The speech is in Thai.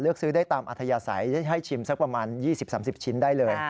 ซื้อได้ตามอัธยาศัยให้ชิมสักประมาณ๒๐๓๐ชิ้นได้เลย